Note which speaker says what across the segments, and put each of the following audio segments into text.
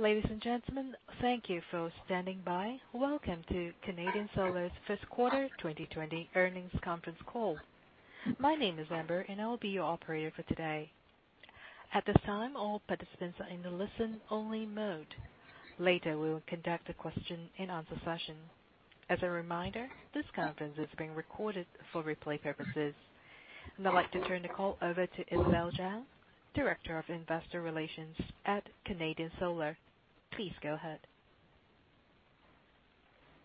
Speaker 1: Ladies and gentlemen, thank you for standing by. Welcome to Canadian Solar's Fiscal Quarter 2020 Earnings Conference Call. My name is Amber, and I will be your operator for today. At this time, all participants are in the listen-only mode. Later, we will conduct a question-and-answer session. As a reminder, this conference is being recorded for replay purposes. Now, I'd like to turn the call over to Isabel Zhang, Director of Investor Relations at Canadian Solar. Please go ahead.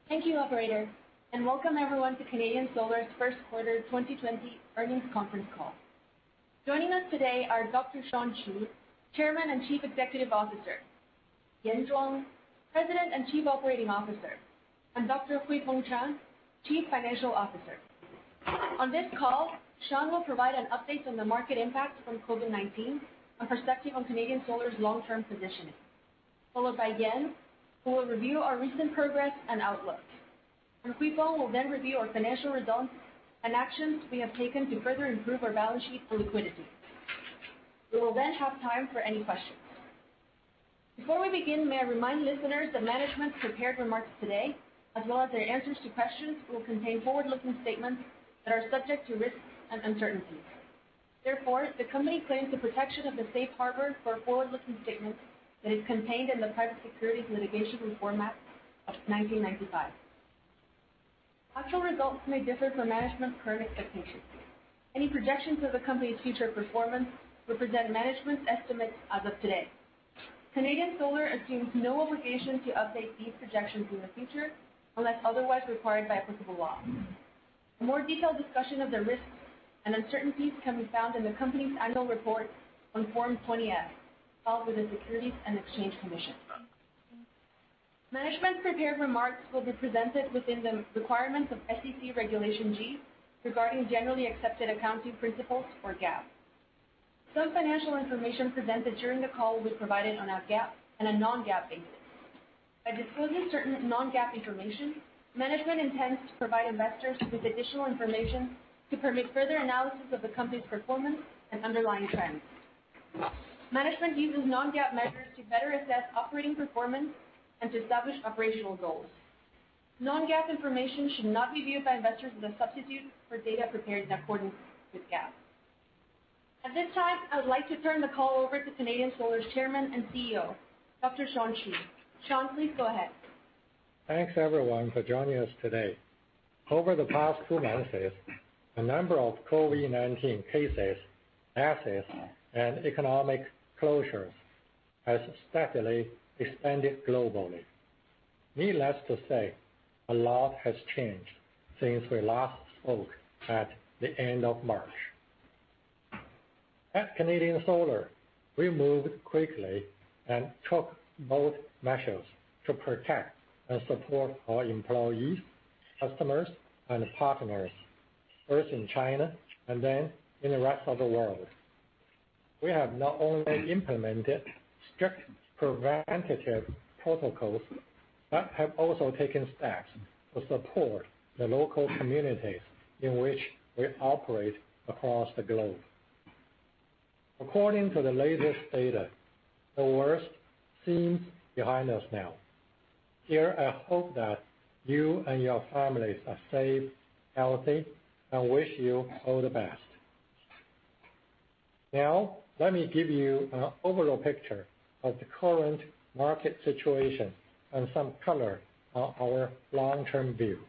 Speaker 2: Thank you, Operator, and welcome everyone to Canadian Solar's Fiscal Quarter 2020 Earnings Conference Call. Joining us today are Dr. Shawn Qu, Chairman and Chief Executive Officer; Yan Zhuang, President and Chief Operating Officer; and Dr. Huifeng Chang, Chief Financial Officer. On this call, Shawn will provide an update on the market impact from COVID-19 and perspective on Canadian Solar's long-term positioning, followed by Yan, who will review our recent progress and outlook. Huifeng will then review our financial results and actions we have taken to further improve our balance sheet and liquidity. We will then have time for any questions. Before we begin, may I remind listeners that management's prepared remarks today, as well as their answers to questions, will contain forward-looking statements that are subject to risks and uncertainties. Therefore, the company claims the protection of the safe harbor for forward-looking statements that is contained in the Private Securities Litigation Reform Act of 1995. Actual results may differ from management's current expectations. Any projections of the company's future performance represent management's estimates as of today. Canadian Solar assumes no obligation to update these projections in the future unless otherwise required by applicable law. A more detailed discussion of the risks and uncertainties can be found in the company's annual report on Form 20F, filed with the Securities and Exchange Commission. Management's prepared remarks will be presented within the requirements of SEC Regulation G regarding Generally Accepted Accounting Principles, or GAAP. Some financial information presented during the call will be provided on a GAAP and a non-GAAP basis. By disclosing certain non-GAAP information, management intends to provide investors with additional information to permit further analysis of the company's performance and underlying trends. Management uses non-GAAP measures to better assess operating performance and to establish operational goals. Non-GAAP information should not be viewed by investors as a substitute for data prepared in accordance with GAAP. At this time, I would like to turn the call over to Canadian Solar's Chairman and CEO, Dr. Shawn Qu. Shawn, please go ahead.
Speaker 3: Thanks, everyone, for joining us today. Over the past two months, a number of COVID-19 cases, assets, and economic closures have steadily expanded globally. Needless to say, a lot has changed since we last spoke at the end of March. At Canadian Solar, we moved quickly and took bold measures to protect and support our employees, customers, and partners, first in China and then in the rest of the world. We have not only implemented strict preventative protocols but have also taken steps to support the local communities in which we operate across the globe. According to the latest data, the worst seems behind us now. Here, I hope that you and your families are safe, healthy, and wish you all the best. Now, let me give you an overall picture of the current market situation and some color on our long-term view.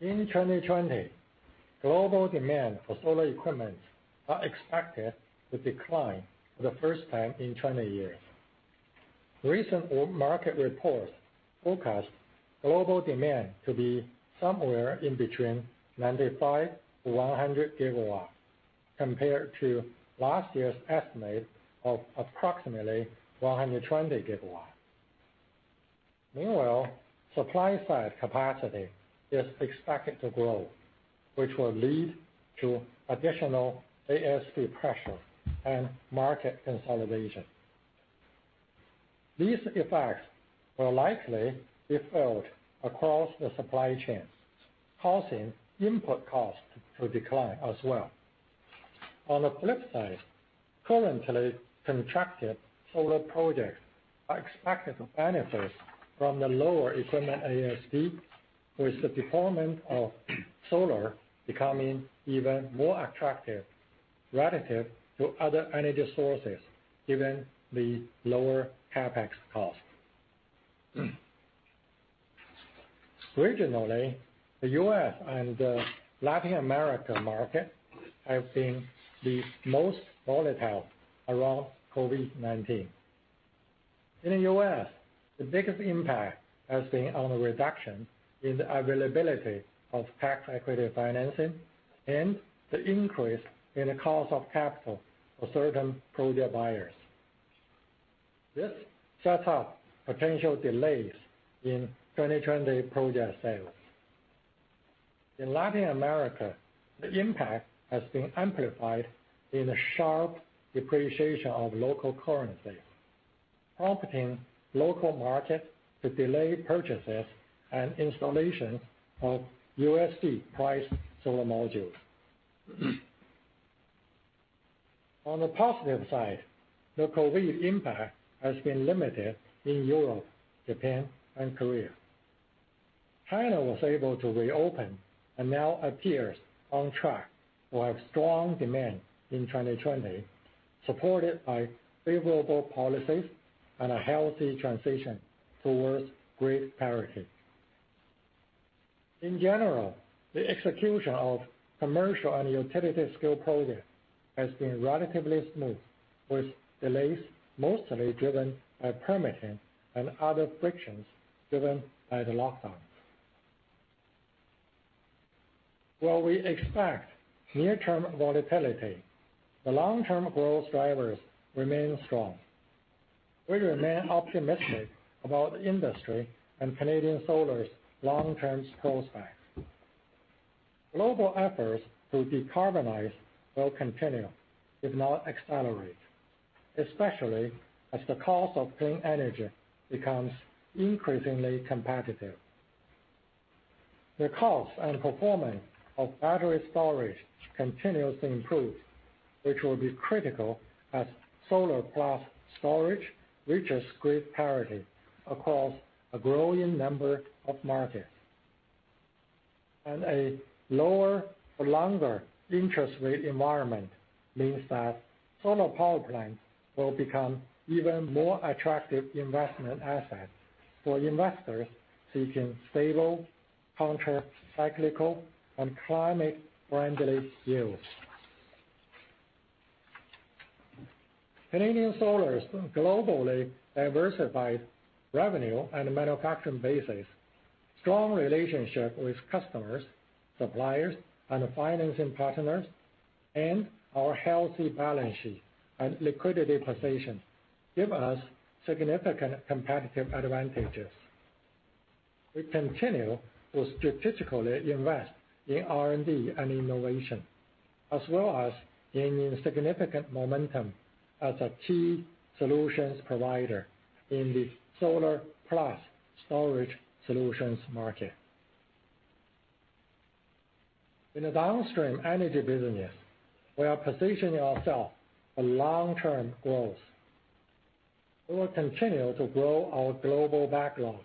Speaker 3: In 2020, global demand for solar equipment is expected to decline for the first time in 20 years. Recent market reports forecast global demand to be somewhere in between 95-100 gigawatts, compared to last year's estimate of approximately 120 GW. Meanwhile, supply-side capacity is expected to grow, which will lead to additional ASP pressure and market consolidation. These effects will likely be felt across the supply chains, causing input costs to decline as well. On the flip side, currently contracted solar projects are expected to benefit from the lower equipment ASP, with the deployment of solar becoming even more attractive relative to other energy sources, given the lower CapEx cost. Regionally, the U.S. and the Latin American markets have been the most volatile around COVID-19. In the U.S., the biggest impact has been on the reduction in the availability of tax equity financing and the increase in the cost of capital for certain project buyers. This sets up potential delays in 2020 project sales. In Latin America, the impact has been amplified in the sharp depreciation of local currencies, prompting local markets to delay purchases and installations of USD-priced solar modules. On the positive side, the COVID impact has been limited in Europe, Japan, and Korea. China was able to reopen and now appears on track to have strong demand in 2020, supported by favorable policies and a healthy transition towards grid parity. In general, the execution of commercial and utility-scale projects has been relatively smooth, with delays mostly driven by permitting and other frictions driven by the lockdown. While we expect near-term volatility, the long-term growth drivers remain strong. We remain optimistic about the industry and Canadian Solar's long-term prospects. Global efforts to decarbonize will continue, if not accelerate, especially as the cost of clean energy becomes increasingly competitive. The cost and performance of battery storage continues to improve, which will be critical as solar-plus storage reaches grid parity across a growing number of markets. A lower-for-longer interest rate environment means that solar power plants will become even more attractive investment assets for investors seeking stable, countercyclical, and climate-friendly yields. Canadian Solar's globally diversified revenue and manufacturing basis, strong relationships with customers, suppliers, and financing partners, and our healthy balance sheet and liquidity position give us significant competitive advantages. We continue to strategically invest in R&D and innovation, as well as gaining significant momentum as a key solutions provider in the solar-plus storage solutions market. In the downstream energy business, we are positioning ourselves for long-term growth. We will continue to grow our global backlog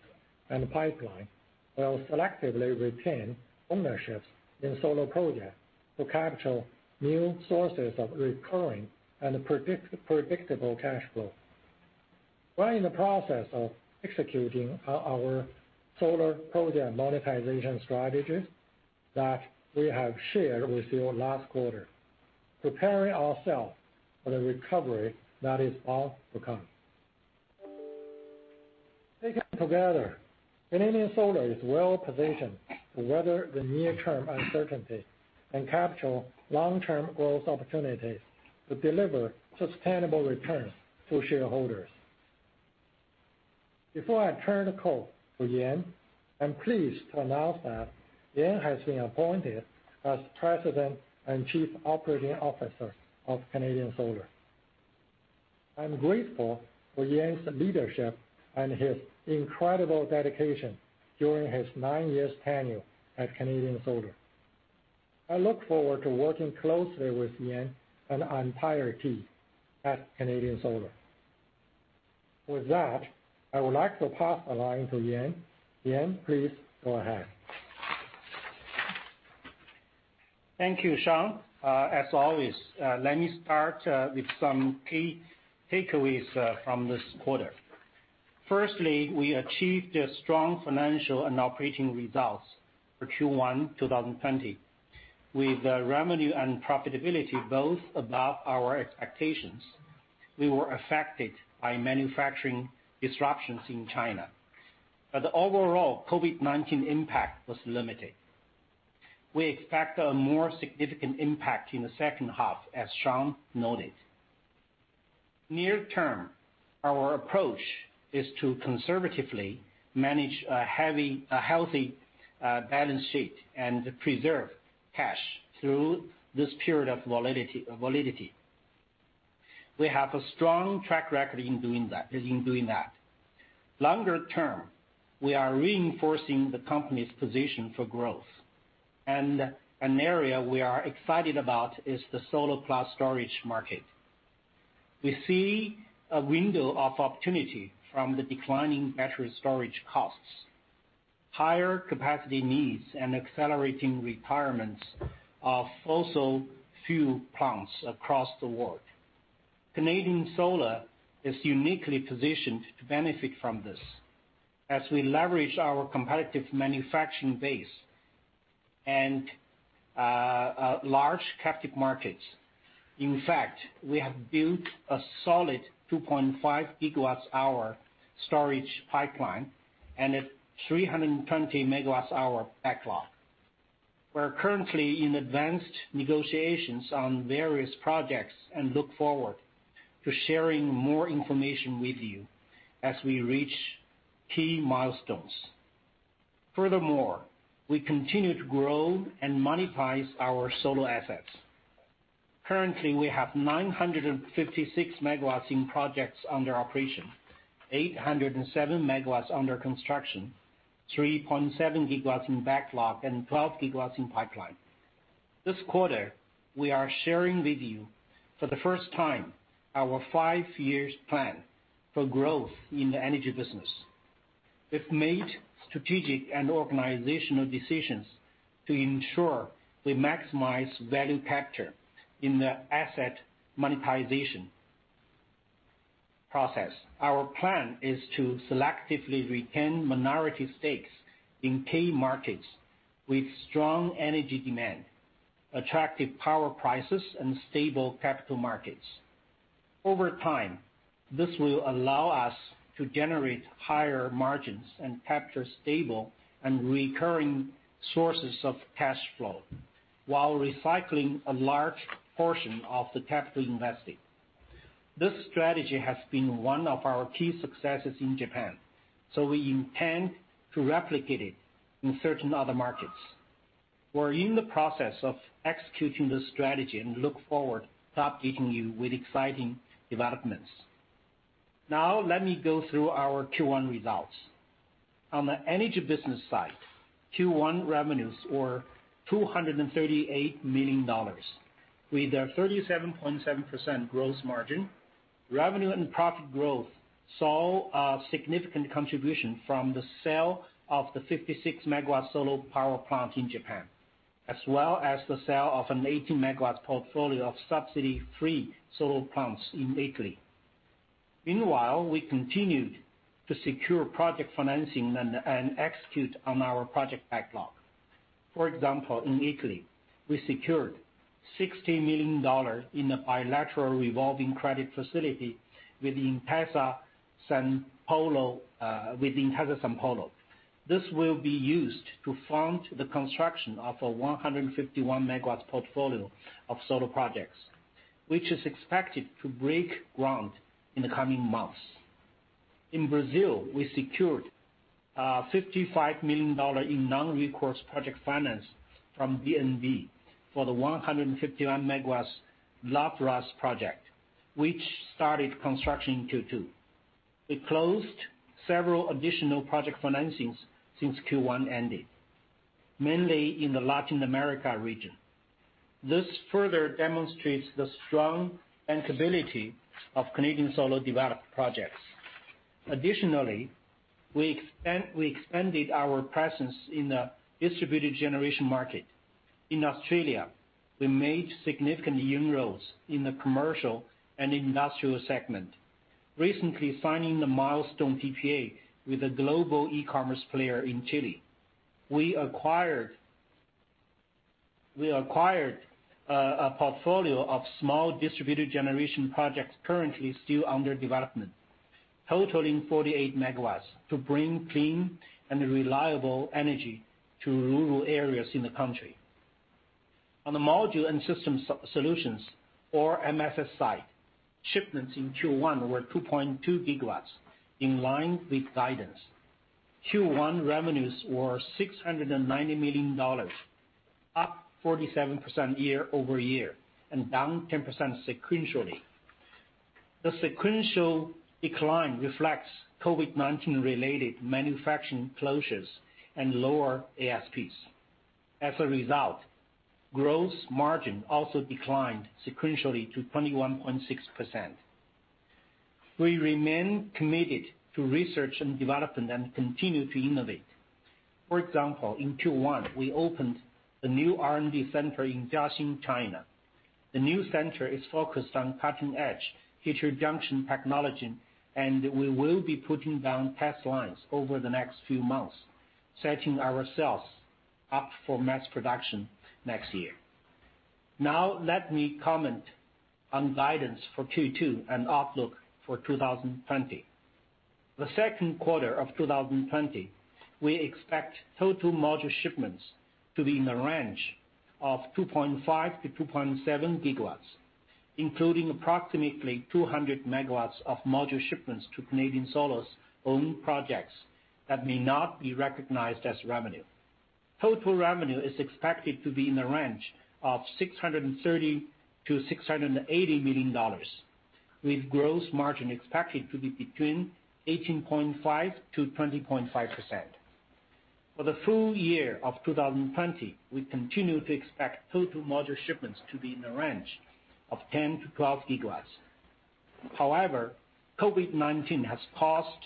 Speaker 3: and pipeline while selectively retaining ownerships in solar projects to capture new sources of recurring and predictable cash flow. We are in the process of executing our solar project monetization strategies that we have shared with you last quarter, preparing ourselves for the recovery that is all to come. Taken together, Canadian Solar is well positioned to weather the near-term uncertainty and capture long-term growth opportunities to deliver sustainable returns to shareholders. Before I turn the call to Yan, I'm pleased to announce that Yan has been appointed as President and Chief Operating Officer of Canadian Solar. I'm grateful for Yan's leadership and his incredible dedication during his nine-year tenure at Canadian Solar. I look forward to working closely with Yan and our entire team at Canadian Solar. With that, I would like to pass the line to Yan. Yan, please go ahead.
Speaker 4: Thank you, Shawn. As always, let me start with some key takeaways from this quarter. Firstly, we achieved strong financial and operating results for Q1 2020, with revenue and profitability both above our expectations. We were affected by manufacturing disruptions in China, but the overall COVID-19 impact was limited. We expect a more significant impact in the second half, as Shawn noted. Near term, our approach is to conservatively manage a healthy balance sheet and preserve cash through this period of volatility. We have a strong track record in doing that. Longer term, we are reinforcing the company's position for growth, and an area we are excited about is the solar-plus storage market. We see a window of opportunity from the declining battery storage costs, higher capacity needs, and accelerating retirements of fossil fuel plants across the world. Canadian Solar is uniquely positioned to benefit from this as we leverage our competitive manufacturing base and large captive markets. In fact, we have built a solid 2.5 GW/hour storage pipeline and a 320 megawatt-hour backlog. We're currently in advanced negotiations on various projects and look forward to sharing more information with you as we reach key milestones. Furthermore, we continue to grow and monetize our solar assets. Currently, we have 956 megawatts in projects under operation, 807 megawatts under construction, 3.7 gigawatts in backlog, and 12 gigawatts in pipeline. This quarter, we are sharing with you for the first time our five-year plan for growth in the energy business. We've made strategic and organizational decisions to ensure we maximize value capture in the asset monetization process. Our plan is to selectively retain minority stakes in key markets with strong energy demand, attractive power prices, and stable capital markets. Over time, this will allow us to generate higher margins and capture stable and recurring sources of cash flow while recycling a large portion of the capital invested. This strategy has been one of our key successes in Japan, so we intend to replicate it in certain other markets. We're in the process of executing this strategy and look forward to updating you with exciting developments. Now, let me go through our Q1 results. On the energy business side, Q1 revenues were $238 million, with a 37.7% gross margin. Revenue and profit growth saw a significant contribution from the sale of the 56-megawatt solar power plant in Japan, as well as the sale of an 18-megawatt portfolio of subsidy-free solar plants in Italy. Meanwhile, we continued to secure project financing and execute on our project backlog. For example, in Italy, we secured $60 million in a bilateral revolving credit facility within Casa San Polo. This will be used to fund the construction of a 151-megawatt portfolio of solar projects, which is expected to break ground in the coming months. In Brazil, we secured $55 million in non-recourse project finance from BNB for the 151-megawatt Lapras project, which started construction in Q2. We closed several additional project financings since Q1 ended, mainly in the Latin America region. This further demonstrates the strong bankability of Canadian Solar developed projects. Additionally, we expanded our presence in the distributed generation market. In Australia, we made significant inroads in the commercial and industrial segment, recently signing the Milestone TPA with a global e-commerce player in Chile. We acquired a portfolio of small distributed generation projects currently still under development, totaling 48 megawatts, to bring clean and reliable energy to rural areas in the country. On the module and system solutions, or MSS side, shipments in Q1 were 2.2 gigawatts, in line with guidance. Q1 revenues were $690 million, up 47% year over year and down 10% sequentially. The sequential decline reflects COVID-19-related manufacturing closures and lower ASPs. As a result, gross margin also declined sequentially to 21.6%. We remain committed to research and development and continue to innovate. For example, in Q1, we opened a new R&D center in Jiaxing, China. The new center is focused on cutting-edge future junction technology, and we will be putting down test lines over the next few months, setting ourselves up for mass production next year. Now, let me comment on guidance for Q2 and outlook for 2020. The second quarter of 2020, we expect total module shipments to be in the range of 2.5-2.7 gigawatts, including approximately 200 megawatts of module shipments to Canadian Solar's own projects that may not be recognized as revenue. Total revenue is expected to be in the range of $630-$680 million, with gross margin expected to be between 18.5-20.5%. For the full year of 2020, we continue to expect total module shipments to be in the range of 10-12 gigawatts. However, COVID-19 has caused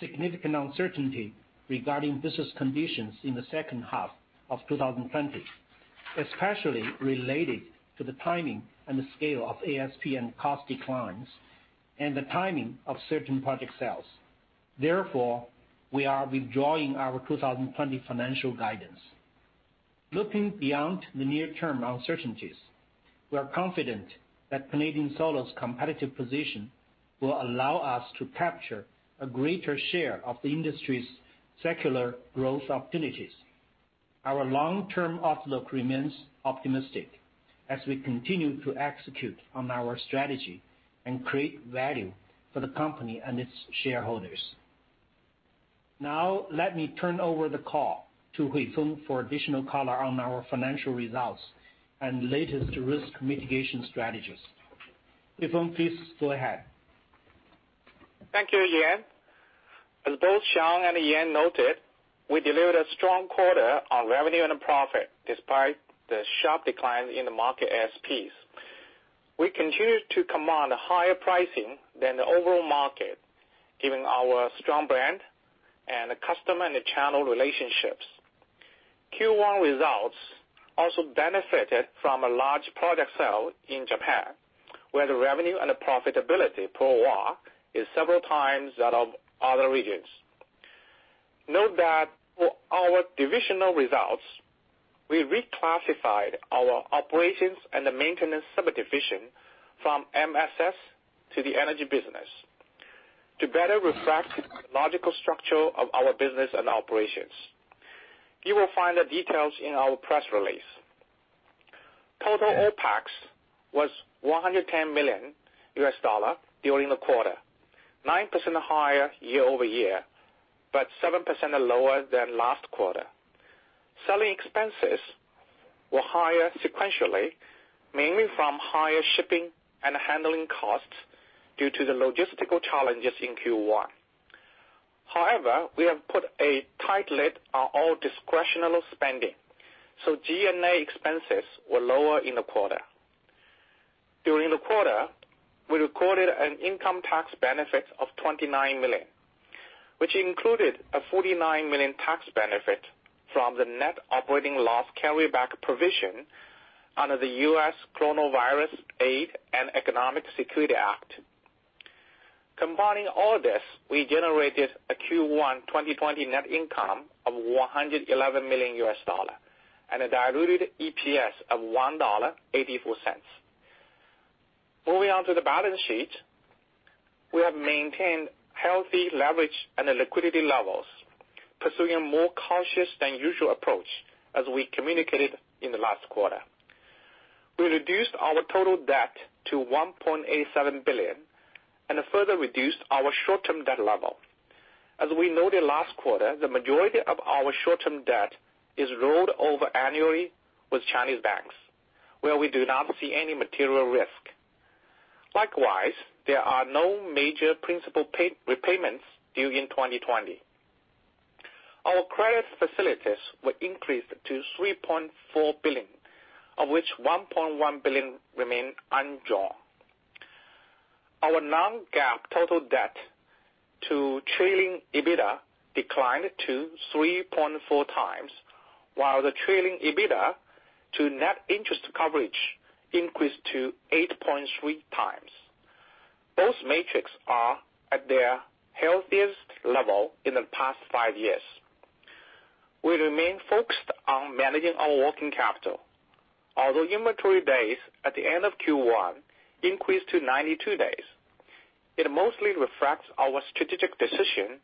Speaker 4: significant uncertainty regarding business conditions in the second half of 2020, especially related to the timing and the scale of ASP and cost declines and the timing of certain project sales. Therefore, we are withdrawing our 2020 financial guidance. Looking beyond the near-term uncertainties, we are confident that Canadian Solar's competitive position will allow us to capture a greater share of the industry's secular growth opportunities. Our long-term outlook remains optimistic as we continue to execute on our strategy and create value for the company and its shareholders. Now, let me turn over the call to Huifeng for additional color on our financial results and latest risk mitigation strategies. Huifeng, please go ahead. Thank you, Yan. As both Shawn and Yan noted, we delivered a strong quarter on revenue and profit despite the sharp decline in the market ASPs. We continue to command a higher pricing than the overall market, given our strong brand and customer and channel relationships. Q1 results also benefited from a large project sale in Japan, where the revenue and profitability per watt is several times that of other regions. Note that for our divisional results, we reclassified our operations and the maintenance subdivision from MSS to the energy business to better reflect the logical structure of our business and operations. You will find the details in our press release. Total OpEx was $110 million during the quarter, 9% higher year over year, but 7% lower than last quarter. Selling expenses were higher sequentially, mainly from higher shipping and handling costs due to the logistical challenges in Q1. However, we have put a tight lid on all discretional spending, so G&A expenses were lower in the quarter. During the quarter, we recorded an income tax benefit of $29 million, which included a $49 million tax benefit from the net operating loss carryback provision under the U.S. Coronavirus Aid and Economic Security Act. Combining all this, we generated a Q1 2020 net income of $111 million and a diluted EPS of $1.84. Moving on to the balance sheet, we have maintained healthy leverage and liquidity levels, pursuing a more cautious-than-usual approach as we communicated in the last quarter. We reduced our total debt to $1.87 billion and further reduced our short-term debt level. As we noted last quarter, the majority of our short-term debt is rolled over annually with Chinese banks, where we do not see any material risk. Likewise, there are no major principal repayments due in 2020. Our credit facilities were increased to $3.4 billion, of which $1.1 billion remained unjoined. Our non-GAAP total debt to trailing EBITDA declined to 3.4 times, while the trailing EBITDA to net interest coverage increased to 8.3 times. Both metrics are at their healthiest level in the past five years. We remain focused on managing our working capital. Although inventory days at the end of Q1 increased to 92 days, it mostly reflects our strategic decision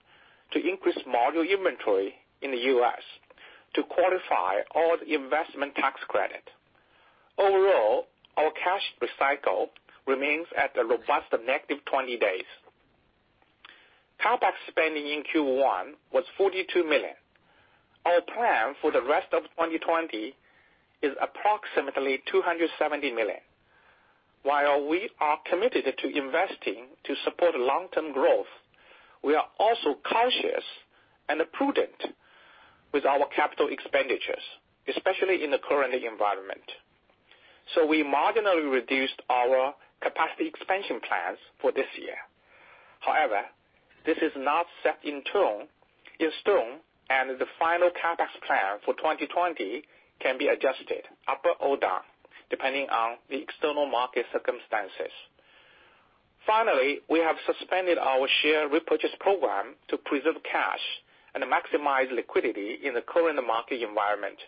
Speaker 4: to increase module inventory in the U.S. to qualify all the investment tax credit. Overall, our cash recycle remains at a robust negative 20 days. CapEx spending in Q1 was $42 million. Our plan for the rest of 2020 is approximately $270 million. While we are committed to investing to support long-term growth, we are also cautious and prudent with our capital expenditures, especially in the current environment. We marginally reduced our capacity expansion plans for this year. However, this is not set in stone, and the final CapEx plan for 2020 can be adjusted up or down, depending on the external market circumstances. Finally, we have suspended our share repurchase program to preserve cash and maximize liquidity in the current market environment.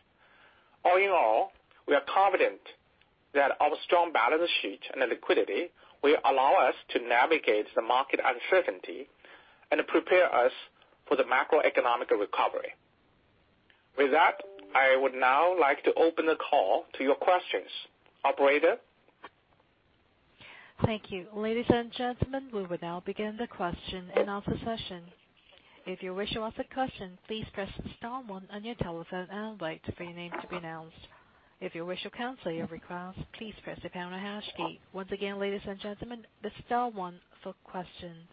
Speaker 4: All in all, we are confident that our strong balance sheet and liquidity will allow us to navigate the market uncertainty and prepare us for the macroeconomic recovery. With that, I would now like to open the call to your questions, operator.
Speaker 1: Thank you. Ladies and gentlemen, we will now begin the question and answer session. If you wish to ask a question, please press the star one on your telephone and wait for your name to be announced. If you wish to cancel your request, please press the pound or hash key. Once again, ladies and gentlemen, the star one for questions.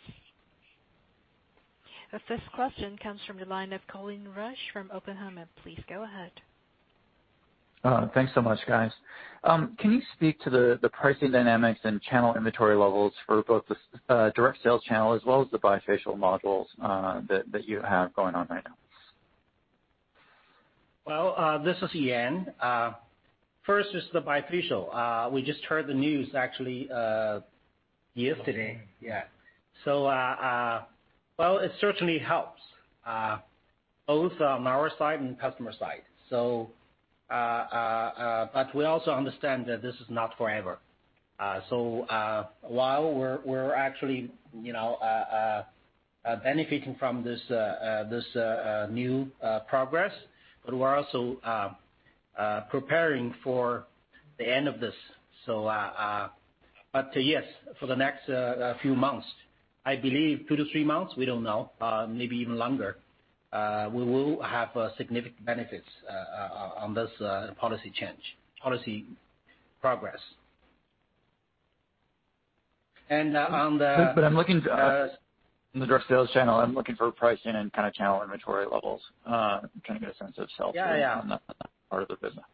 Speaker 1: The first question comes from the line of Colin Rush from Oppenheimer. Please go ahead.
Speaker 5: Thanks so much, guys. Can you speak to the pricing dynamics and channel inventory levels for both the direct sales channel as well as the bifacial modules that you have going on right now?
Speaker 4: This is Yan. First is the bifacial. We just heard the news, actually, yesterday. Yesterday. Yeah. It certainly helps, both on our side and customer side. We also understand that this is not forever. While we're actually benefiting from this new progress, we're also preparing for the end of this. Yes, for the next few months, I believe two to three months, we don't know, maybe even longer, we will have significant benefits on this policy change, policy progress. On the.
Speaker 5: I'm looking to. Direct sales channel, I'm looking for pricing and kind of channel inventory levels. I'm trying to get a sense of sales on that part of the business.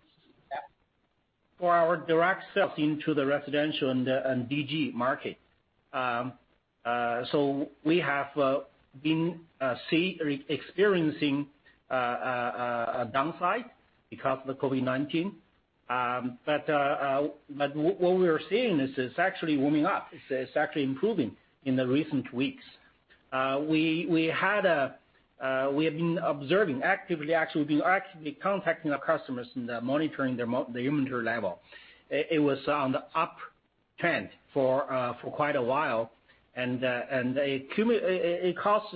Speaker 4: Yeah. For our direct sales into the residential and DG market. We have been experiencing a downside because of the COVID-19. What we are seeing is it's actually warming up. It's actually improving in the recent weeks. We have been observing actively, actually, we've been actively contacting our customers and monitoring their inventory level. It was on the uptrend for quite a while. It caused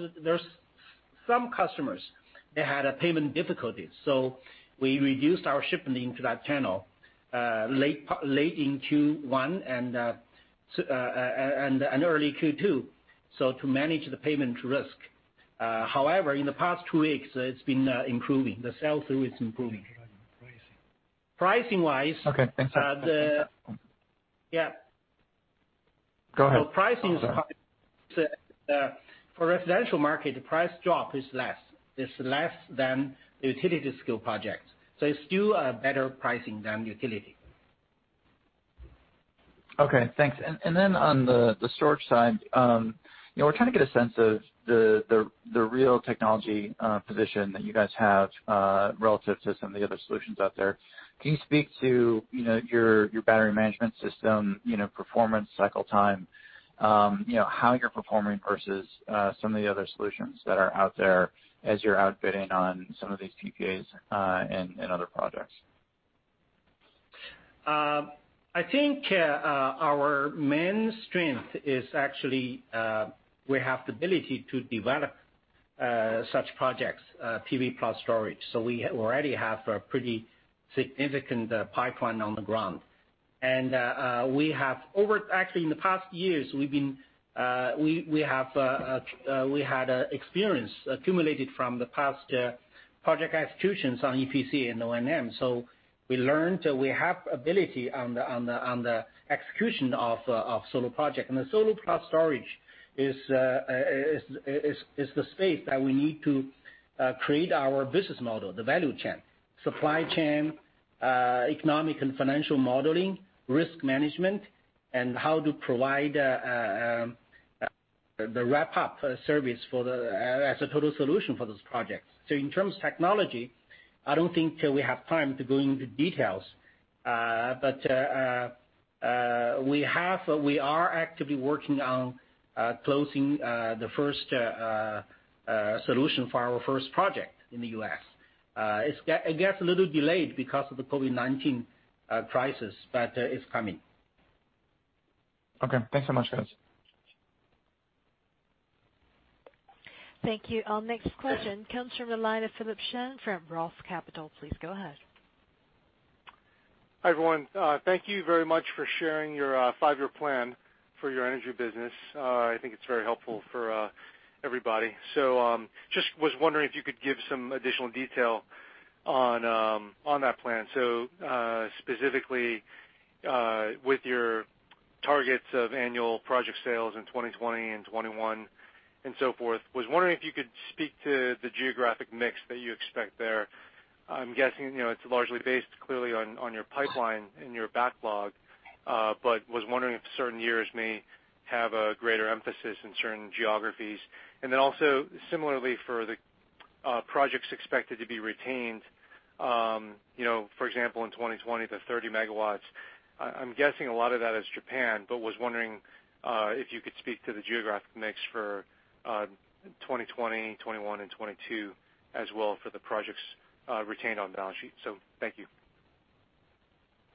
Speaker 4: some customers that had payment difficulties. We reduced our shipment into that channel late in Q1 and early Q2 to manage the payment risk. However, in the past two weeks, it's been improving. The sell-through is improving. Pricing-wise.
Speaker 5: Okay. Thanks for that.
Speaker 4: Yeah.
Speaker 5: Go ahead.
Speaker 4: Pricing is quite for residential market, the price drop is less. It's less than utility-scale projects. It's still better pricing than utility.
Speaker 5: Okay. Thanks. On the storage side, we're trying to get a sense of the real technology position that you guys have relative to some of the other solutions out there. Can you speak to your battery management system, performance, cycle time, how you're performing versus some of the other solutions that are out there as you're outbidding on some of these PPAs and other projects?
Speaker 4: I think our main strength is actually we have the ability to develop such projects, PV+ storage. We already have a pretty significant pipeline on the ground. We have over, actually, in the past years, we have had experience accumulated from the past project executions on EPC and O&M. We learned we have ability on the execution of solo projects. The solo plus storage is the space that we need to create our business model, the value chain, supply chain, economic and financial modeling, risk management, and how to provide the wrap-up service as a total solution for those projects. In terms of technology, I do not think we have time to go into details. We are actively working on closing the first solution for our first project in the U.S. It gets a little delayed because of the COVID-19 crisis, but it is coming.
Speaker 5: Okay. Thanks so much, guys.
Speaker 1: Thank you. Our next question comes from the line of Philip Shen from Roth Capital. Please go ahead.
Speaker 6: Hi, everyone. Thank you very much for sharing your five-year plan for your energy business. I think it's very helpful for everybody. I was wondering if you could give some additional detail on that plan. Specifically, with your targets of annual project sales in 2020 and 2021 and so forth, I was wondering if you could speak to the geographic mix that you expect there. I'm guessing it's largely based, clearly, on your pipeline and your backlog, but I was wondering if certain years may have a greater emphasis in certain geographies. Also, similarly, for the projects expected to be retained, for example, in 2020, the 30 megawatts, I'm guessing a lot of that is Japan, but I was wondering if you could speak to the geographic mix for 2020, 2021, and 2022 as well for the projects retained on the balance sheet. Thank you.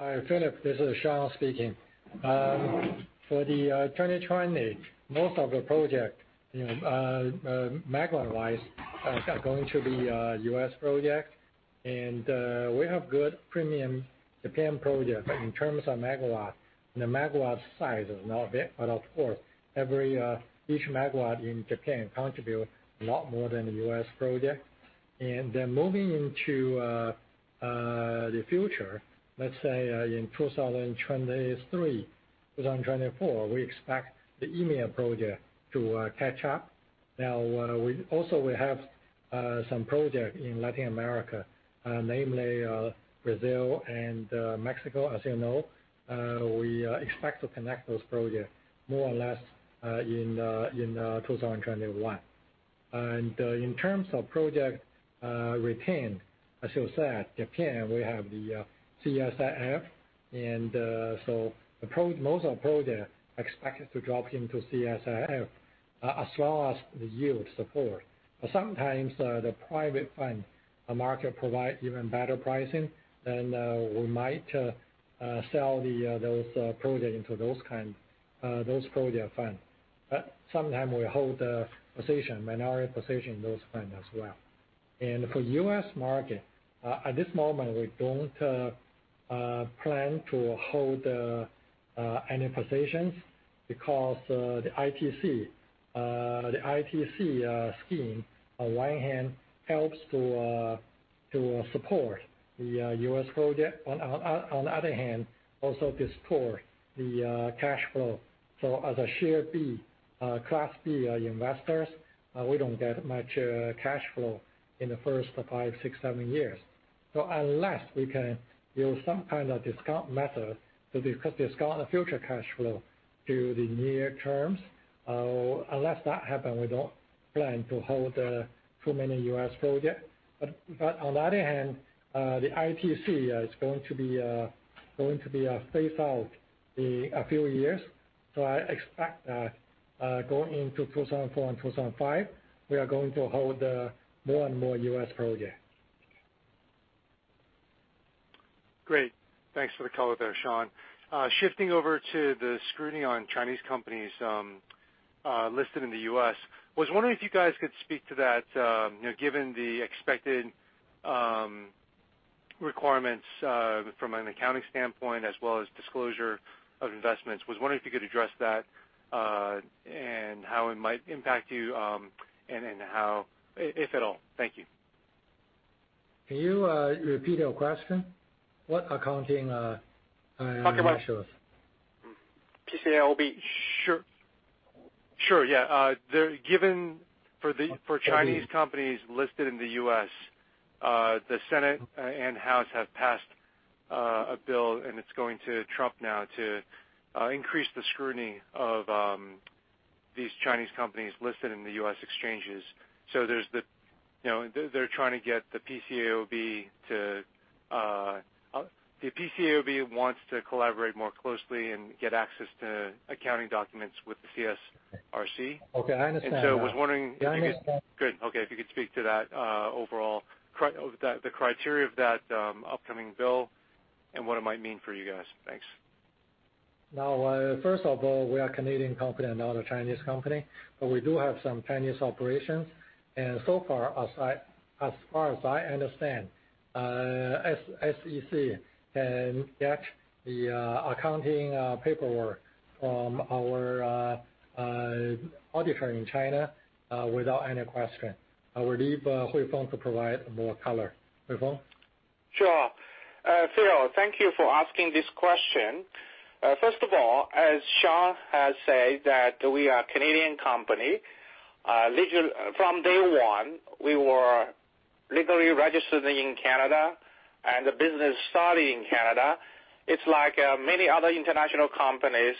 Speaker 3: Hi, Philip. This is Shawn speaking. For 2020, most of the projects, megawatt-wise, are going to be U.S. projects. We have good premium Japan projects in terms of megawatt. The megawatt size is not big. Of course, each megawatt in Japan contributes a lot more than the U.S. projects. Moving into the future, let's say in 2023, 2024, we expect the EMEA project to catch up. We have some projects in Latin America, namely Brazil and Mexico, as you know. We expect to connect those projects more or less in 2021. In terms of projects retained, as you said, Japan, we have the CSIF. Most of the projects expect to drop into CSIF as well as the yield support. Sometimes the private fund market provides even better pricing, and we might sell those projects into those kinds of funds. Sometimes we hold the position, minority position in those funds as well. For the U.S. market, at this moment, we do not plan to hold any positions because the ITC scheme, on one hand, helps to support the U.S. projects. On the other hand, it also distorts the cash flow. As Class B investors, we do not get much cash flow in the first five, six, seven years. Unless we can use some kind of discount method to discount the future cash flow to the near terms, unless that happens, we do not plan to hold too many U.S. projects. On the other hand, the ITC is going to be phased out in a few years. I expect that going into 2024 and 2025, we are going to hold more and more U.S. projects.
Speaker 6: Great. Thanks for the color there, Shawn. Shifting over to the scrutiny on Chinese companies listed in the U.S., was wondering if you guys could speak to that, given the expected requirements from an accounting standpoint as well as disclosure of investments. Was wondering if you could address that and how it might impact you and how, if at all. Thank you.
Speaker 3: Can you repeat your question? What accounting?
Speaker 6: Talk your mind.
Speaker 3: PCI will be.
Speaker 6: Sure. Sure. Yeah. For Chinese companies listed in the U.S., the Senate and House have passed a bill, and it's going to Trump now to increase the scrutiny of these Chinese companies listed in the U.S. exchanges. They are trying to get the PCAOB to, the PCAOB wants to collaborate more closely and get access to accounting documents with the CSRC.
Speaker 3: Okay. I understand.
Speaker 6: I was wondering if you could.
Speaker 3: Yeah, I understand.
Speaker 6: Good. Okay. If you could speak to that overall, the criteria of that upcoming bill and what it might mean for you guys. Thanks.
Speaker 3: Now, first of all, we are a Canadian company and not a Chinese company. We do have some Chinese operations. So far, as far as I understand, SEC can get the accounting paperwork from our auditor in China without any question. I will leave Huifeng to provide more color. Huifeng?
Speaker 7: Sure. Phil, thank you for asking this question. First of all, as Shawn has said, that we are a Canadian company. From day one, we were legally registered in Canada, and the business started in Canada. It's like many other international companies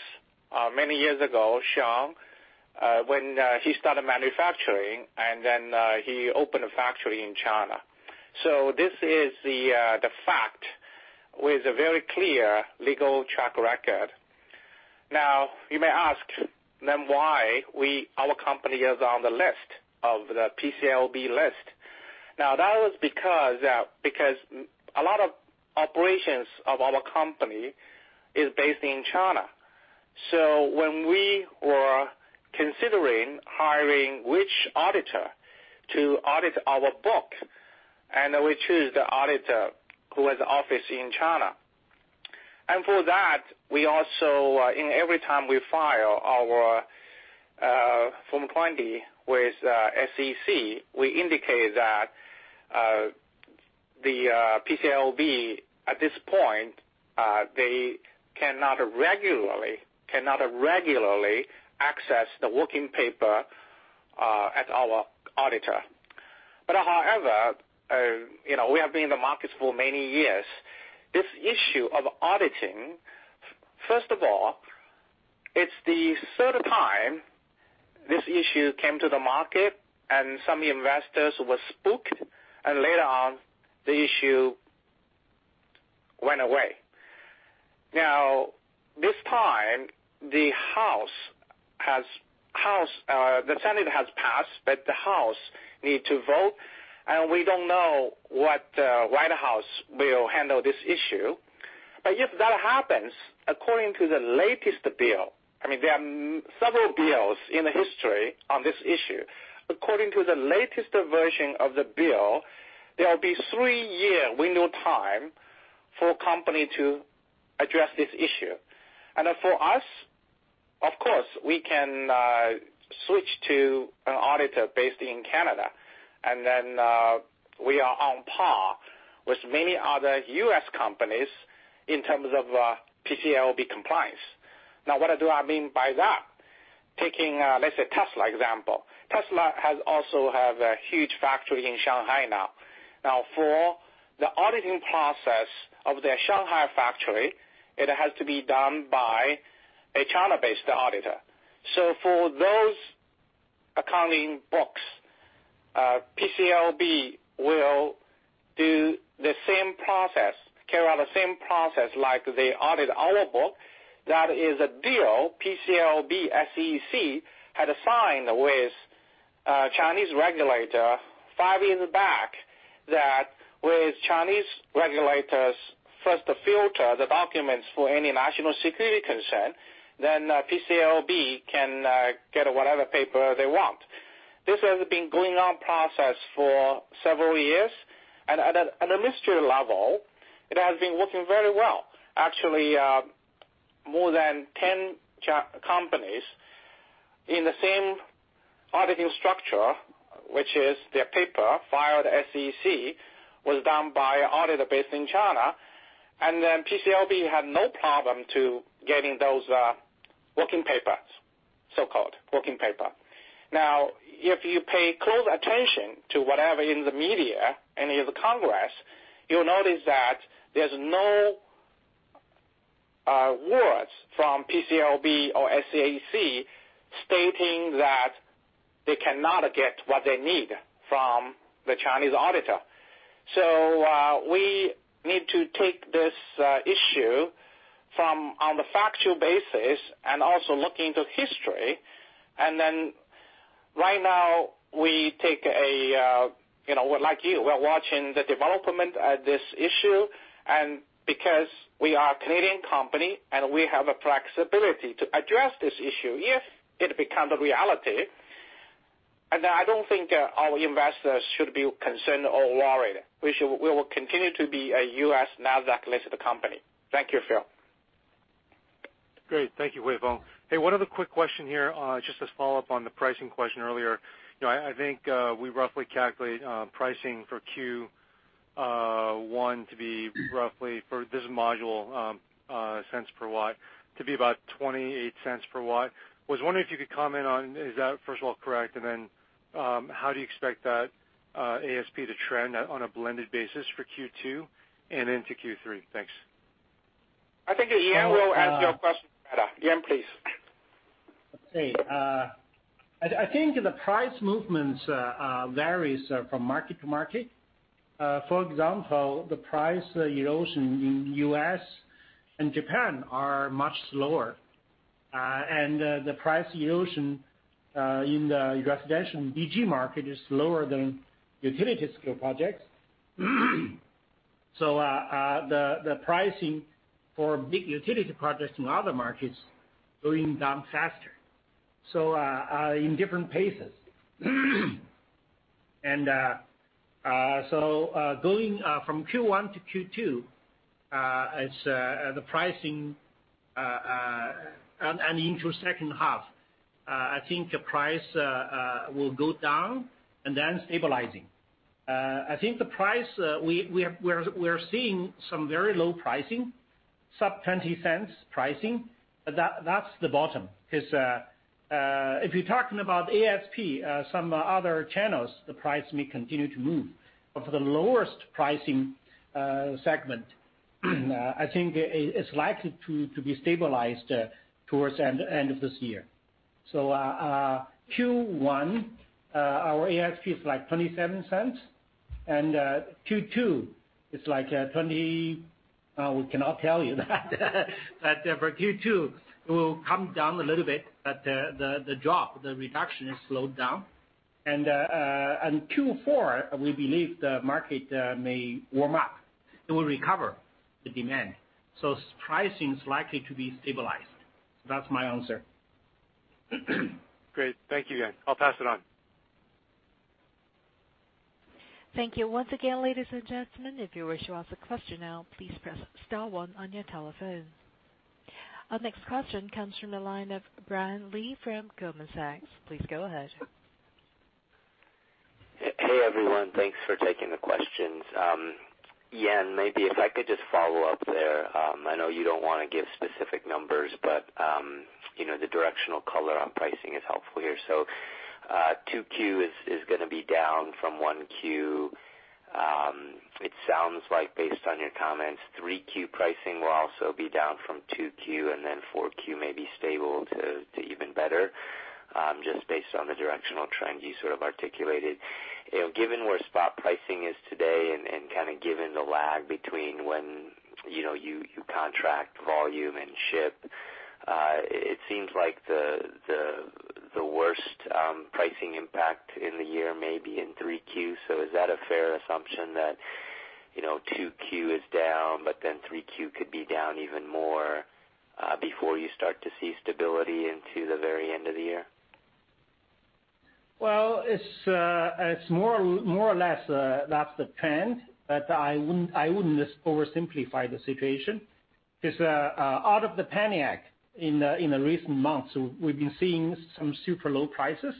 Speaker 7: many years ago, Shawn, when he started manufacturing, and then he opened a factory in China. This is the fact with a very clear legal track record. Now, you may ask, then why our company is on the list of the PCAOB list? That was because a lot of operations of our company is based in China. When we were considering hiring which auditor to audit our book, we chose the auditor who has an office in China. For that, we also, every time we file our Form 20 with SEC, we indicate that the PCAOB, at this point, they cannot regularly access the working paper at our auditor. However, we have been in the market for many years. This issue of auditing, first of all, it's the third time this issue came to the market, and some investors were spooked. Later on, the issue went away. This time, the House has passed, but the House needs to vote. We don't know how the White House will handle this issue. If that happens, according to the latest bill, I mean, there are several bills in the history on this issue. According to the latest version of the bill, there will be a three-year window time for companies to address this issue. For us, of course, we can switch to an auditor based in Canada. We are on par with many other U.S. companies in terms of PCAOB compliance. Now, what do I mean by that? Taking, let's say, Tesla, for example. Tesla also has a huge factory in Shanghai now. For the auditing process of their Shanghai factory, it has to be done by a China-based auditor. For those accounting books, PCAOB will do the same process, carry out the same process like they audit our book. That is a deal PCAOB and SEC had signed with a Chinese regulator five years back, that with Chinese regulators first filter the documents for any national security concern, then PCAOB can get whatever paper they want. This has been a going-on process for several years. At a ministry level, it has been working very well. Actually, more than 10 companies in the same auditing structure, which is their paper filed at SEC, was done by an auditor based in China. PCAOB had no problem getting those working papers, so-called working papers. If you pay close attention to whatever in the media, any of the Congress, you'll notice that there's no words from PCAOB or SEC stating that they cannot get what they need from the Chinese auditor. We need to take this issue on the factual basis and also look into history. Right now, we take a like you, we're watching the development of this issue. Because we are a Canadian company and we have a flexibility to address this issue if it becomes a reality, I don't think our investors should be concerned or worried. We will continue to be a US Nasdaq-listed company. Thank you, Phil.
Speaker 6: Great. Thank you, Huifeng. Hey, one other quick question here, just as a follow-up on the pricing question earlier. I think we roughly calculate pricing for Q1 to be roughly for this module, cents per watt, to be about $0.28 per watt. I was wondering if you could comment on, is that, first of all, correct? And then how do you expect that ASP to trend on a blended basis for Q2 and into Q3? Thanks.
Speaker 7: I think Yan will answer your question better. Yan, please.
Speaker 4: Okay. I think the price movement varies from market to market. For example, the price erosion in the U.S. and Japan are much slower. The price erosion in the residential BG market is slower than utility-scale projects. The pricing for big utility projects in other markets is going down faster, in different paces. Going from Q1 to Q2, the pricing and into the second half, I think the price will go down and then stabilizing. I think the price, we are seeing some very low pricing, sub-$0.20 pricing. That is the bottom. Because if you are talking about ASP, some other channels, the price may continue to move. For the lowest pricing segment, I think it is likely to be stabilized towards the end of this year. Q1, our ASP is like $0.27. Q2, it is like $0.20, we cannot tell you that.
Speaker 3: Q2 will come down a little bit, but the drop, the reduction is slowed down. Q4, we believe the market may warm up. It will recover the demand. Pricing is likely to be stabilized. That's my answer.
Speaker 6: Great. Thank you, Yan. I'll pass it on.
Speaker 7: Thank you once again, ladies and gentlemen. If you wish to ask a question now, please press star one on your telephone. Our next question comes from the line of Brian Lee from Goldman Sachs. Please go ahead.
Speaker 8: Hey, everyone. Thanks for taking the questions. Yan, maybe if I could just follow up there. I know you do not want to give specific numbers, but the directional color on pricing is helpful here. 2Q is going to be down from 1Q. It sounds like, based on your comments, 3Q pricing will also be down from 2Q, and then 4Q may be stable to even better, just based on the directional trend you sort of articulated. Given where spot pricing is today and kind of given the lag between when you contract volume and ship, it seems like the worst pricing impact in the year may be in 3Q. Is that a fair assumption that 2Q is down, but then 3Q could be down even more before you start to see stability into the very end of the year?
Speaker 4: It's more or less that's the trend. I wouldn't oversimplify the situation, because out of the panic in the recent months, we've been seeing some super low prices.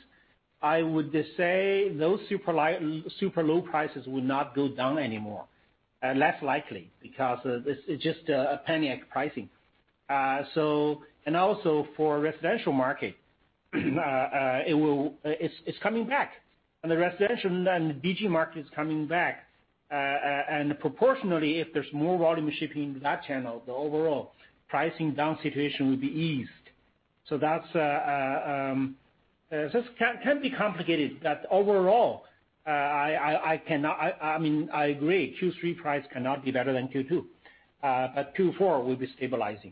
Speaker 4: I would say those super low prices will not go down anymore, less likely, because it's just a panic pricing. Also, for residential market, it's coming back. The residential and BG market is coming back. Proportionally, if there's more volume shipping in that channel, the overall pricing down situation will be eased. That can be complicated. Overall, I mean, I agree. Q3 price cannot be better than Q2. Q4 will be stabilizing.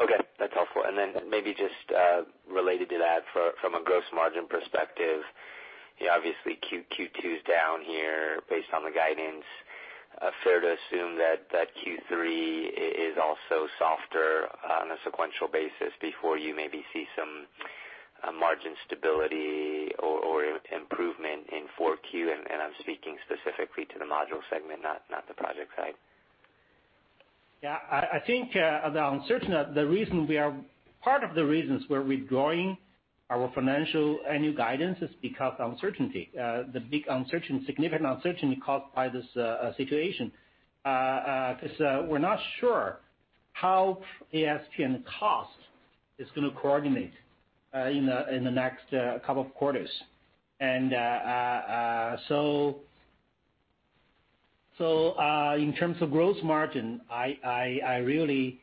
Speaker 8: Okay. That's helpful. Maybe just related to that, from a gross margin perspective, obviously, Q2 is down here based on the guidance. Fair to assume that Q3 is also softer on a sequential basis before you maybe see some margin stability or improvement in Q4. I'm speaking specifically to the module segment, not the project side.
Speaker 4: Yeah. I think the uncertainty, the reason we are part of the reasons we're withdrawing our financial annual guidance is because of uncertainty, the big uncertainty, significant uncertainty caused by this situation. Because we're not sure how ASP and cost is going to coordinate in the next couple of quarters. In terms of gross margin, I really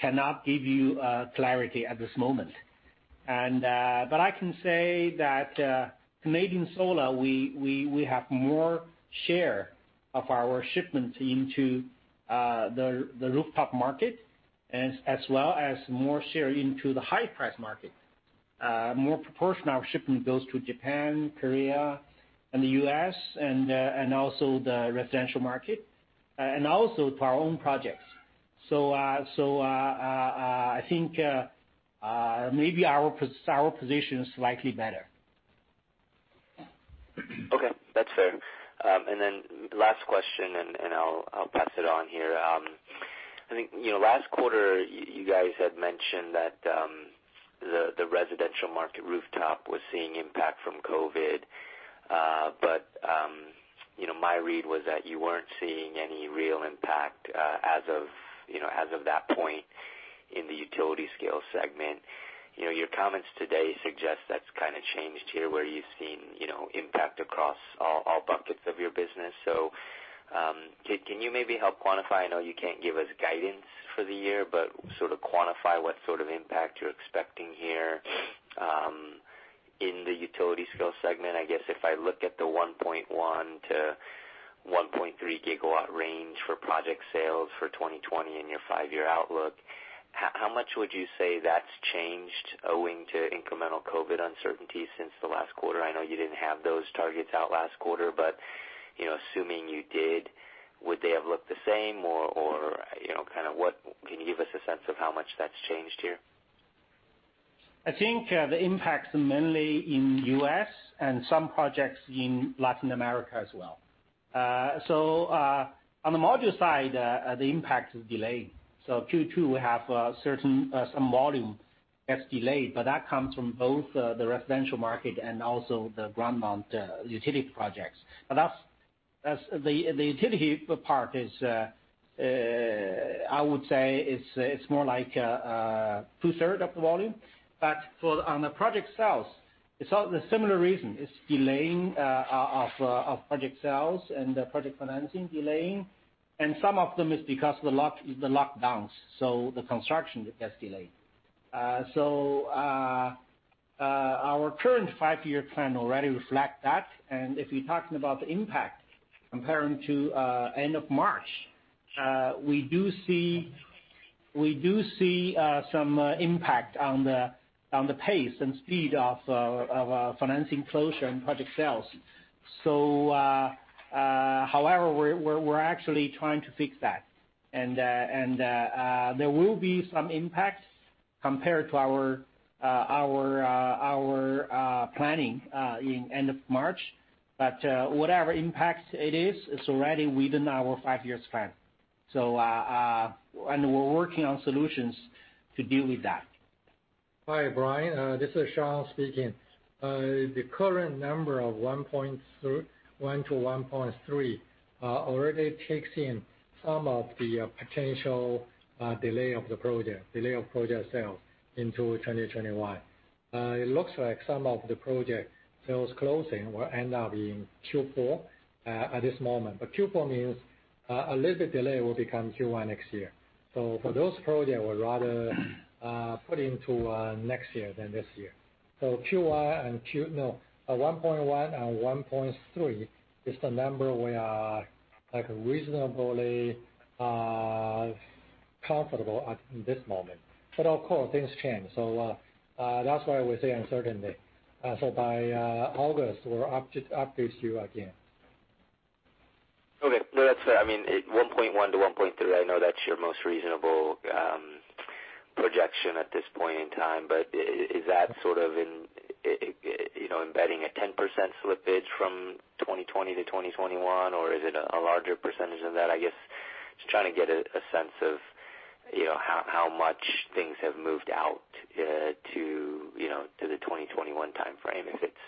Speaker 4: cannot give you clarity at this moment. I can say that Canadian Solar, we have more share of our shipments into the rooftop market, as well as more share into the high-priced market. More proportion of our shipment goes to Japan, Korea, and the U.S., and also the residential market, and also to our own projects. I think maybe our position is slightly better.
Speaker 8: Okay. That's fair. Last question, and I'll pass it on here. I think last quarter, you guys had mentioned that the residential market rooftop was seeing impact from COVID. My read was that you were not seeing any real impact as of that point in the utility-scale segment. Your comments today suggest that's kind of changed here, where you've seen impact across all buckets of your business. Can you maybe help quantify? I know you can't give us guidance for the year, but sort of quantify what sort of impact you're expecting here in the utility-scale segment. I guess if I look at the 1.1-1.3 gigawatt range for project sales for 2020 in your five-year outlook, how much would you say that's changed owing to incremental COVID uncertainty since the last quarter? I know you didn't have those targets out last quarter, but assuming you did, would they have looked the same? Or kind of what can you give us a sense of how much that's changed here?
Speaker 4: I think the impact is mainly in the U.S. and some projects in Latin America as well. On the module side, the impact is delayed. Q2, we have some volume that's delayed, but that comes from both the residential market and also the ground-mounted utility projects. The utility part is, I would say, it's more like two-thirds of the volume. On the project sales, it's all the similar reason. It's delaying of project sales and the project financing delaying. Some of them is because of the lockdowns. The construction gets delayed. Our current five-year plan already reflects that. If you're talking about the impact compared to end of March, we do see some impact on the pace and speed of financing closure and project sales. However, we're actually trying to fix that. There will be some impact compared to our planning in end of March. Whatever impact it is, it's already within our five-year plan. We're working on solutions to deal with that.
Speaker 3: Hi, Brian. This is Shawn speaking. The current number of 1.1 to 1.3 already takes in some of the potential delay of the project, delay of project sales into 2021. It looks like some of the project sales closing will end up in Q4 at this moment. Q4 means a little bit delay will become Q1 next year. For those projects, we'd rather put into next year than this year. Q1 and Q, no, 1.1 and 1.3 is the number we are reasonably comfortable at this moment. Of course, things change. That is why we say uncertainty. By August, we'll update you again.
Speaker 8: Okay. No, that's fair. I mean, 1.1-1.3, I know that's your most reasonable projection at this point in time. Is that sort of embedding a 10% slippage from 2020 to 2021? Is it a larger percentage than that? I guess just trying to get a sense of how much things have moved out to the 2021 timeframe, if it's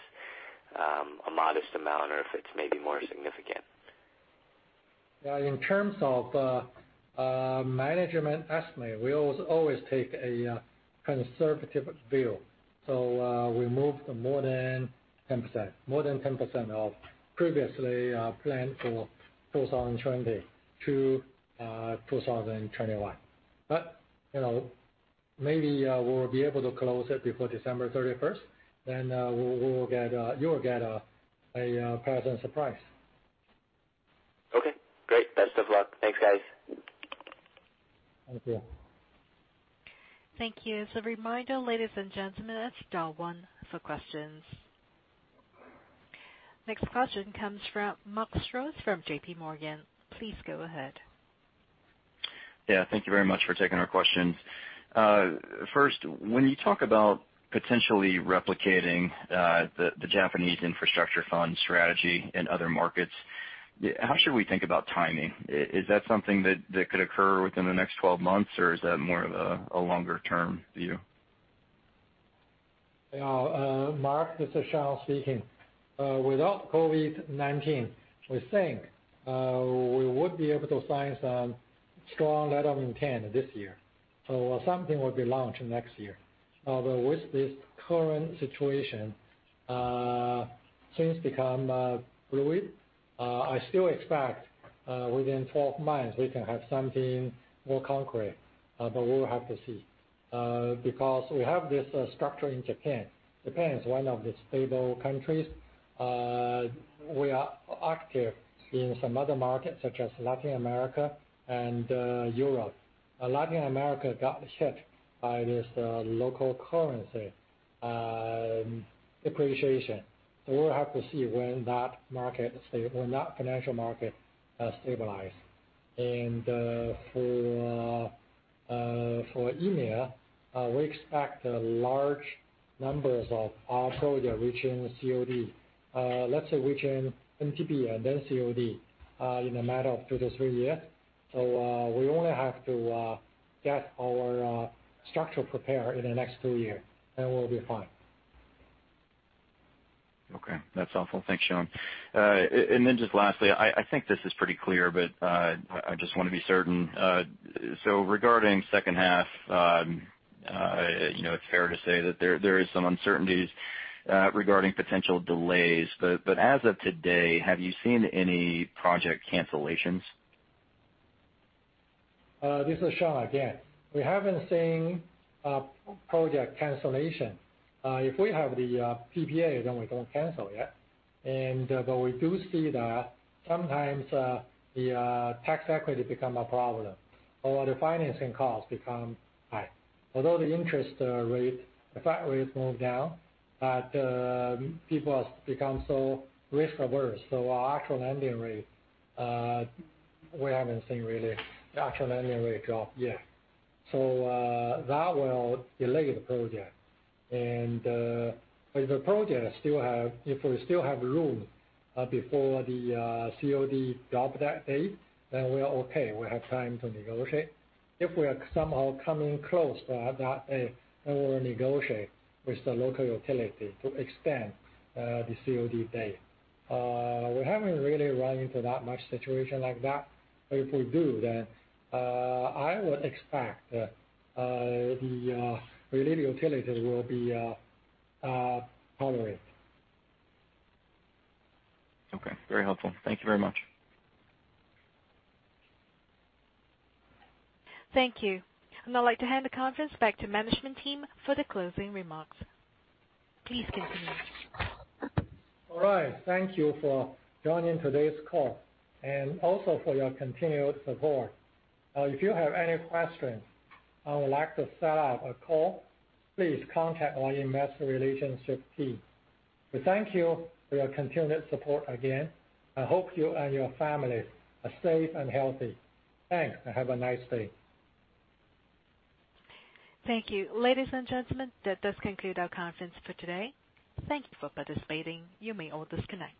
Speaker 8: a modest amount or if it's maybe more significant.
Speaker 3: In terms of management estimate, we always take a conservative view. We moved more than 10%, more than 10% of previously planned for 2020 to 2021. Maybe we will be able to close it before December 31. You will get a pleasant surprise.
Speaker 8: Okay. Great. Best of luck. Thanks, guys.
Speaker 3: Thank you.
Speaker 1: Thank you. As a reminder, ladies and gentlemen, that's star one for questions. Next question comes from Mark Streeter from JPMorgan. Please go ahead.
Speaker 9: Yeah. Thank you very much for taking our questions. First, when you talk about potentially replicating the Japanese Infrastructure Fund strategy in other markets, how should we think about timing? Is that something that could occur within the next 12 months, or is that more of a longer-term view?
Speaker 3: Yeah. Mark, this is Shawn speaking. Without COVID-19, we think we would be able to sign some strong letter of intent this year. Something will be launched next year. With this current situation, things become fluid. I still expect within 12 months, we can have something more concrete. We will have to see. We have this structure in Japan. Japan is one of the stable countries. We are active in some other markets, such as Latin America and Europe. Latin America got hit by this local currency depreciation. We will have to see when that market, when that financial market stabilizes. For EMEA, we expect large numbers of our projects reaching COD. Let's say reaching MTB and then COD in a matter of two to three years. We only have to get our structure prepared in the next two years, and we'll be fine.
Speaker 9: Okay. That's helpful. Thanks, Shawn. Lastly, I think this is pretty clear, but I just want to be certain. Regarding second half, it's fair to say that there are some uncertainties regarding potential delays. As of today, have you seen any project cancellations?
Speaker 3: This is Shawn again. We haven't seen a project cancellation. If we have the PPA, then we don't cancel yet. We do see that sometimes the tax equity becomes a problem, or the financing costs become high. Although the interest rate, the Fed rate moved down, people have become so risk-averse. Our actual lending rate, we haven't seen really the actual lending rate drop yet. That will delay the project. If the project still has, if we still have room before the COD drop that date, then we're okay. We have time to negotiate. If we are somehow coming close to that date, we will negotiate with the local utility to extend the COD date. We haven't really run into that much situation like that. If we do, then I would expect the related utility will be tolerated.
Speaker 9: Okay. Very helpful. Thank you very much.
Speaker 7: Thank you. I would like to hand the conference back to the management team for the closing remarks. Please continue.
Speaker 2: All right. Thank you for joining today's call and also for your continued support. Now, if you have any questions and would like to set up a call, please contact our investor relationship team. We thank you for your continued support again. I hope you and your family are safe and healthy. Thanks, and have a nice day.
Speaker 1: Thank you. Ladies and gentlemen, that does conclude our conference for today. Thank you for participating. You may all disconnect.